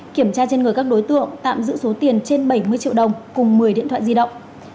kiểm tra trên người các đối tượng tạm giữ số tiền trên bảy mươi triệu đồng cùng một mươi điện thoại di động